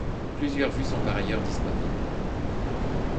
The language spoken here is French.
Plusieurs vues sont par ailleurs disponibles.